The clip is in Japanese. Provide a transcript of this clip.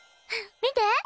見て！